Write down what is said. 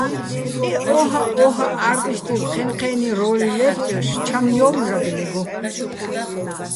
ე ო́ჰაჸ-ო́ჰაჸ ა́რტისტივ ჴენჴე́ნი რო́ლი ლე́ბწჲოშ ჩამ ჲო́ვო̆ ჟაგნეგო̆.